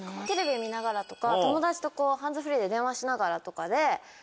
テレビ見ながらとか友達とハンズフリーで電話しながらとかで。